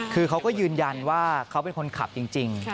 คือเขาก็ยืนยันว่าเขาเป็นคนขับจริง